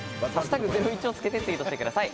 「＃ゼロイチ」をつけてツイートしてください。